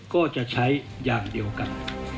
ก็จะใช้อย่างเดียวกัน